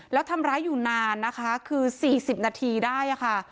แล้วทำร้ายอยู่นานนะคะคือ๔๐นาทีได้ค่ะ